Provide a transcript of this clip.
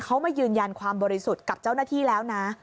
เขามายืนยันความบริสุทธิ์กับเจ้าหน้าที่แล้วนะ